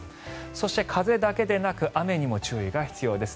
そして、風だけでなく雨にも注意が必要です。